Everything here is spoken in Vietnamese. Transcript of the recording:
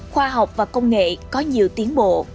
khoa học và công nghệ có nhiều tiến bộ